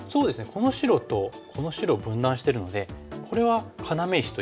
この白とこの白を分断してるのでこれは要石と言えそうですね。